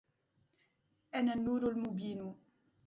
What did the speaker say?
أنا النور المبين